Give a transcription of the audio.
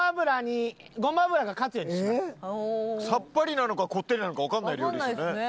さっぱりなのかこってりなのかわかんない料理ですね。